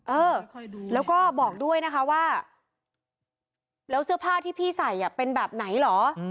เออแล้วก็บอกด้วยนะคะว่าแล้วเสื้อผ้าที่พี่ใส่เป็นแบบไหนเหรอ